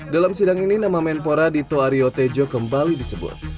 dalam sidang ini nama menpora dito ariotejo kembali disebut